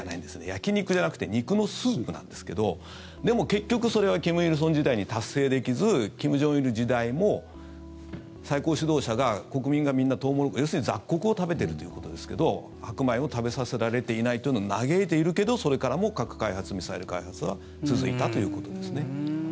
焼き肉じゃなくて肉のスープなんですけどでも、結局それは金日成時代に達成できず金正日時代も最高指導者が国民がみんなトウモロコシ要するに雑穀を食べているということですけど白米を食べさせられていないというのを嘆いているけどそれからも核開発、ミサイル開発は続いたということですね。